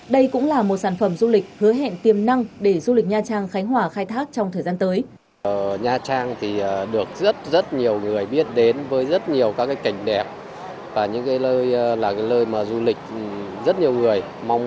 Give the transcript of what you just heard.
đây cũng là một sản phẩm du lịch hứa hẹn tiềm năng để du lịch nha trang khánh hòa khai thác trong thời gian tới